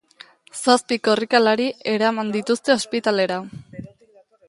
Zazpi korrikalari eraman dituzte ospitalera.